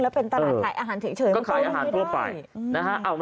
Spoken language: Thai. แล้วเป็นตลาดหลายอาหารเฉยมันก็ไม่ได้